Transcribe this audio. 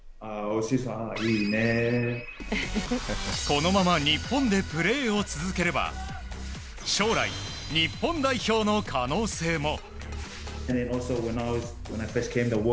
このまま日本でプレーを続ければ将来、日本代表の可能性も。